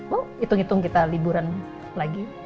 oh hitung hitung kita liburan lagi